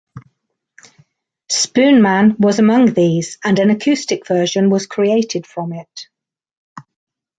"Spoonman" was among these, and an acoustic version was created from it.